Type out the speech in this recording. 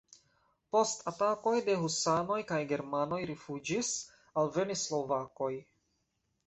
Post atakoj de husanoj la germanoj rifuĝis, alvenis slovakoj.